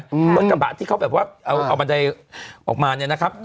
รถกระบะที่เขาเอาบันไดออกมา